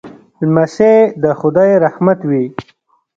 لمسی د خدای رحمت وي.